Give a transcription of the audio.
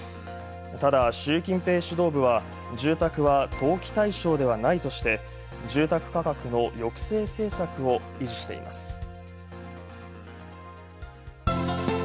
ただ習近平指導部は、「住宅は投機対象ではない」として住宅価格の抑制政策を維持しています。